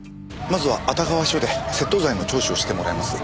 まずは熱川署で窃盗罪の聴取をしてもらいます。